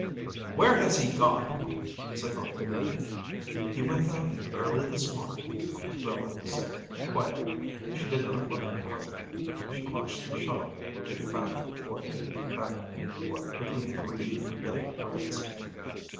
"Where has he gone?" Cithon demanded. "He went out early this morning," Grella said quietly. She did not look at her husband. She watched the shuttle moving back and forth, back and forth between the green and yellow threads.